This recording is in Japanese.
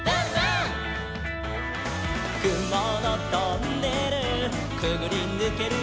「くものトンネルくぐりぬけるよ」